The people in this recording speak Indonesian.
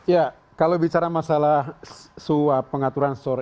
ya kalau bicara masalah suap pengaturan suara